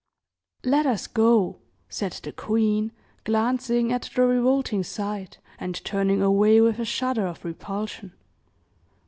"Let us go," said the queen, glancing at the revolting sight, and turning away with a shudder of repulsion.